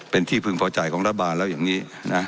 เป็นที่พึงพอใจของรัฐบาลแล้วอย่างนี้นะ